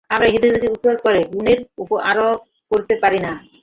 আমরা উহাদিগের উপর কোন গুণের আরোপ করিতে পারি না।